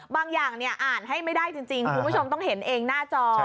บางอย่างอ่านให้ไม่ได้จริงคุณผู้ชมต้องเห็นเองหน้าจอ